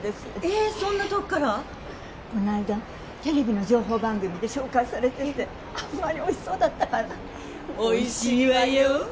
この間テレビの情報番組で紹介されててあんまりおいしそうだったからおいしいわよ